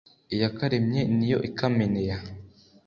iyakaremye niyo ikamenea